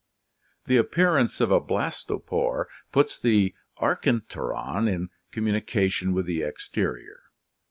The appearance of a blastopore puts the archenteron in communication with the exterior.